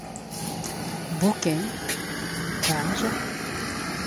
Bouquins, p.